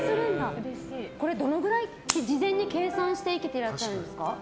どのくらい事前に計算して生けてらっしゃるんですか？